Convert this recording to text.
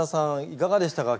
いかがでしたか？